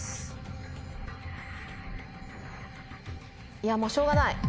いやもうしょうがない。